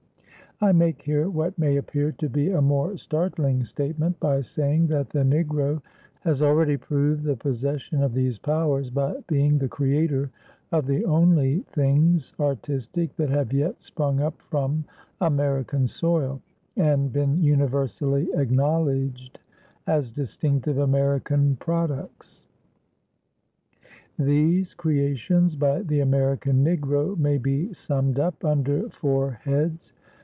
I make here what may appear to be a more startling statement by saying that the Negro has already proved the possession of these powers by being the creator of the only things artistic that have yet sprung from American soil and been universally acknowledged as distinctive American products. These creations by the American Negro may be summed up under four heads.